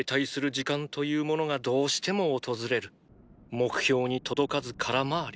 目標に届かず空回り。